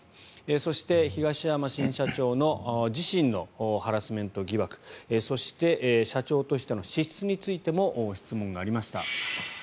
そして東山新社長の自身のハラスメント疑惑そして社長としての資質についても質問がありました。